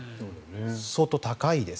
相当、高いです。